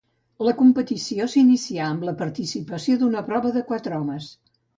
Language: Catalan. La competició s'inicià amb la participació d'una prova de quatre homes.